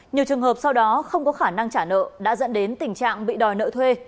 nhiều trường hợp sau đó không có khả năng trả nợ đã dẫn đến tình trạng bị đòi nợ thuê